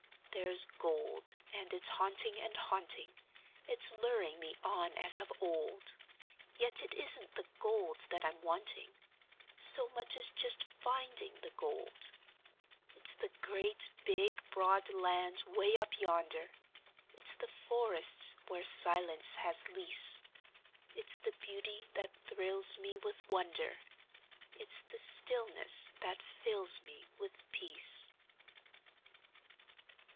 There's gold, and it's haunting and haunting; It's luring me on as of old; Yet it isn't the gold that I'm wanting So much as just finding the gold. It's the great, big, broad land 'way up yonder, It's the forests where silence has lease; It's the beauty that thrills me with wonder, It's the stillness that fills me with peace.